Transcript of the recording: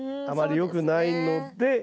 あまりよくないので。